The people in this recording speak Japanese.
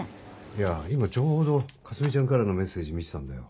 いや今ちょうどかすみちゃんからのメッセージ見てたんだよ。